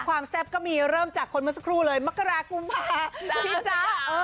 แซ่บก็มีเริ่มจากคนเมื่อสักครู่เลยมกรากุมภาพี่จ๊ะ